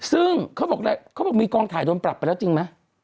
ซึ่งเขาบอกเขาบอกมีกองถ่ายโดนปรับไปแล้วจริงไหม